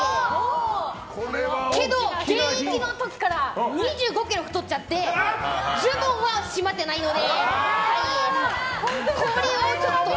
けど、現役の時から２５ｋｇ太っちゃってズボンは閉まってないので。